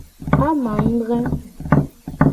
Amangdre.